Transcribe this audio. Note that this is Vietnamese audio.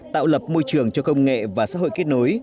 tạo lập môi trường cho công nghệ và xã hội kết nối